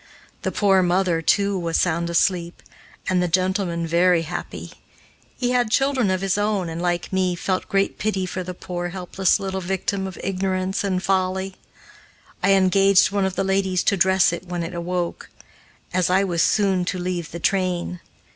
The poor mother, too, was sound asleep, and the gentleman very happy. He had children of his own and, like me, felt great pity for the poor, helpless little victim of ignorance and folly. I engaged one of the ladies to dress it when it awoke, as I was soon to leave the train.